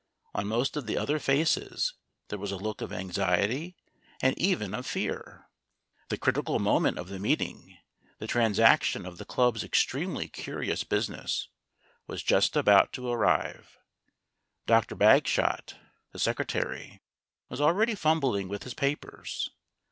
On most of the other faces there was a look of anxiety, and even of fear. The critical moment of the meeting, the transaction of the club's extremely curious business, was just about to arrive. Dr. Bagshot, the Secretary, was already fum bling with his papers.